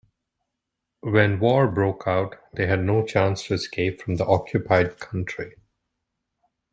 When war broke out, they had no chance to escape from the occupied country.